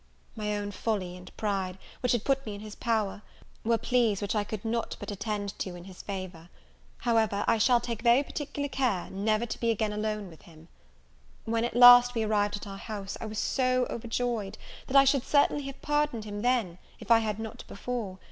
My own folly and pride, which had put me in his power, were pleas which I could not but attend to in his favour. However, I shall take very particular care never to be again alone with him. When, at last, we arrived at our house, I was so overjoyed, that I should certainly have pardoned him then, if I had not before.